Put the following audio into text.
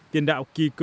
tiền đạo kỳ cựu